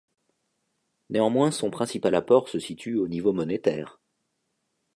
Néanmoins son principal apport se situe au niveau monétaire.